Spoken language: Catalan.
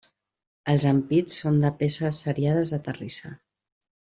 Els ampits són de peces seriades de terrissa.